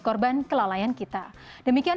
korban kelalaian kita demikian